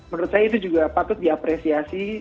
menurut saya itu juga patut diapresiasi